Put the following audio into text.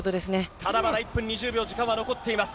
ただまだ１分２０秒、時間は残っています。